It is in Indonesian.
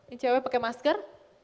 ini cewek pakai masker